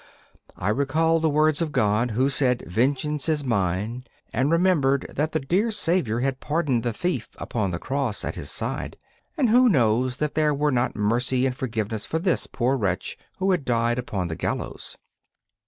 I recalled the words of God, who said, 'Vengeance is mine,' and remembered that the dear Saviour had pardoned the thief upon the cross at His side; and who knows that there were not mercy and forgiveness for this poor wretch who had died upon the gallows?